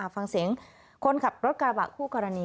ฟังเสียงคนขับรถการบันทรีย์คู่กรณี